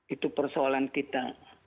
itu persoalan kita